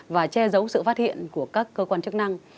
và che giấu sự phát hiện của các cơ quan chức năng